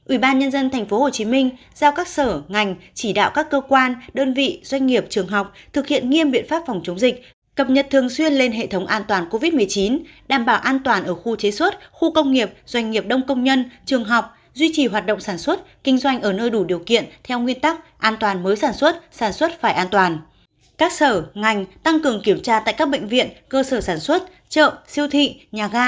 ủy ban nhân dân tp hcm giao các sở ngành chỉ đạo các cơ quan đơn vị doanh nghiệp trường học thực hiện nghiêm biện pháp phòng chống dịch cập nhật thường xuyên lên hệ thống an toàn covid một mươi chín đảm bảo an toàn ở khu chế xuất khu công nghiệp doanh nghiệp đông công nhân trường học duy trì hoạt động sản xuất kinh doanh ở nơi đủ điều kiện theo nguyên tắc an toàn mới sản xuất sản xuất phải an toàn